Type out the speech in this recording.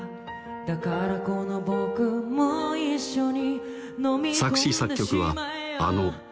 「だからこの僕も一緒に」